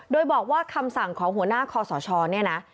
โดยบอกว่าคำสั่งของหัวหน้าคอสชเนี่ยนะ